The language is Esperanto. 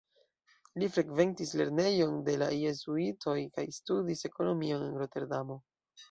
Li frekventis lernejon de la jezuitoj kaj studis ekonomion en Roterdamo.